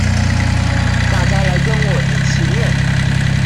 大家來跟我一起念